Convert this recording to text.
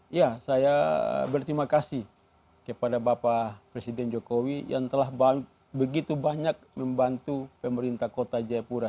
iya saya berterima kasih kepada bapak presiden jokowi yang telah begitu banyak membantu pemerintah kota jayapura